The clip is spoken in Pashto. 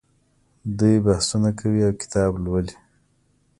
دوی بحثونه کوي او کتاب لوالي.